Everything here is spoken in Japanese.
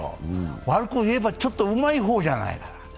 悪くいえば、ちょっとうまい方じゃない。